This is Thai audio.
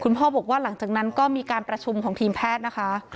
พ่อบอกว่าหลังจากนั้นก็มีการประชุมของทีมแพทย์นะคะ